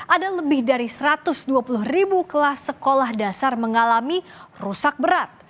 ada lebih dari satu ratus dua puluh ribu kelas sekolah dasar mengalami rusak berat